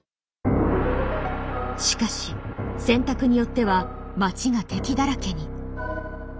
しかし選択によっては町が敵だらけに。